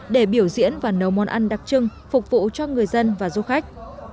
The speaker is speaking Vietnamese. để biểu diễn và nấu món ăn đặc trưng phục vụ cho người dân và du khách